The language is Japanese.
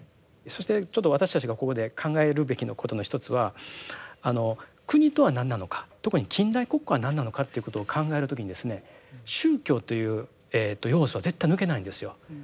そしてちょっと私たちがここで考えるべきことの一つは国とは何なのか特に近代国家は何なのかっていうことを考える時に宗教という要素は絶対抜けないんですよ。